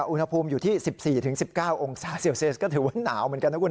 อุณหภูมิอยู่ที่๑๔๑๙องศาเซลเซียสก็ถือว่าหนาวเหมือนกันนะคุณ